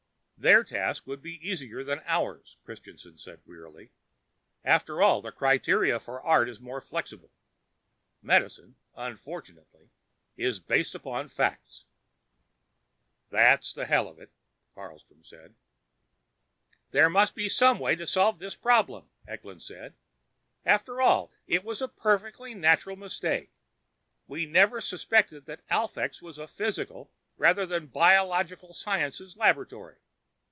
"Their task would be easier than ours," Christianson said wearily. "After all, the criteria of art are more flexible. Medicine, unfortunately, is based upon facts." "That's the hell of it," Carlstrom said. "There must be some way to solve this problem," Eklund said. "After all it was a perfectly natural mistake. We never suspected that Alphax was a physical rather than a biological sciences laboratory.